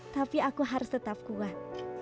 tapi aku harus tetap kuat